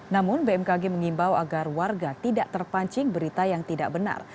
namun bmkg mengimbau agar warga tidak terpancing berita yang tidak benar